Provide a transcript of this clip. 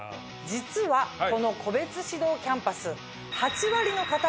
実はこの個別指導キャンパス。